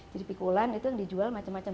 jadi pikulan itu yang dijual macam macam